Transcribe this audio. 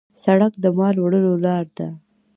سړک د مال وړلو لار ده.